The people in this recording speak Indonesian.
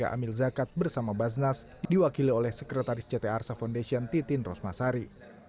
amil zakat bersama basnas diwakili oleh sekretaris ct arsa foundation titin rosmasari